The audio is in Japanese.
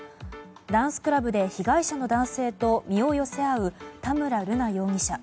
ダンスクラブで被害者の男性と身を寄せ合う田村瑠奈容疑者。